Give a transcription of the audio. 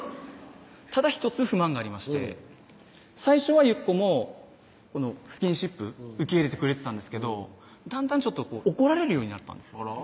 ただ１つ不満がありまして最初はゆっこもスキンシップ受け入れてくれてたんですけどだんだん怒られるようになったんですよ